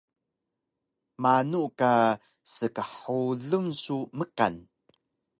Manu ka skxulun su mkan?